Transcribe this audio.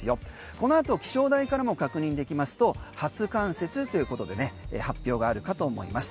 このあと気象台からも確認できますと初冠雪ということで発表があるかと思います。